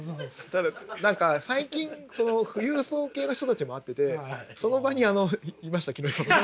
ただ何か最近その富裕層系の人たちも会っててその場にあのいました木下さんも。